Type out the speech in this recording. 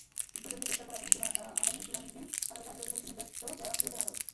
দুজনকে গ্রেপ্তার করে আগামী শুনানিরদিন আদালতে হাজির করতে পুলিশকে নির্দেশও দিয়েছেন আদালত।